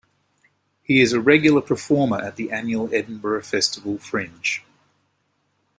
He is a regular performer at the annual Edinburgh Festival Fringe.